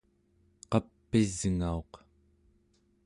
qap'isngauq